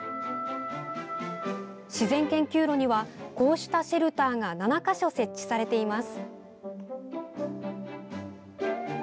自然研究路にはこうしたシェルターが７か所設置されています。